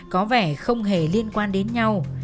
có vẻ không hề liên quan đến nhau